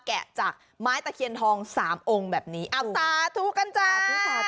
แกะจากไม้ตะเคียนทองสามองค์แบบนี้เอาสาธุกันจ้า